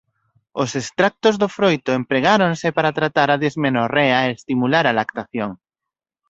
Os extractos do froito empregáronse para tratar a dismenorrea e estimular a lactación.